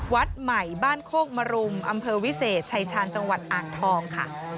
วัดใหม่บ้านโคกมรุมอำเภอวิเศษชายชาญจังหวัดอ่างทองค่ะ